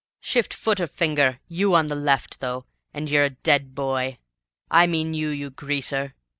Shift foot or finger, you on the left, though, and you're a dead boy. I mean you, you greaser!"